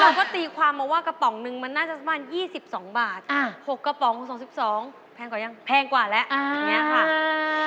เราก็ตีความมาว่ากระป๋องนึงมันน่าจะสักประมาณ๒๒บาท๖กระป๋อง๒๒แพงกว่ายังแพงกว่าแล้วอย่างนี้ค่ะ